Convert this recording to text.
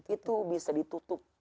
itu bisa ditutup